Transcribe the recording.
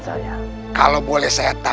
saya tak berseaowego sama mereka